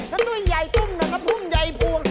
ทะดุ้ยไยจุ่มหนาพุ่มไยพวง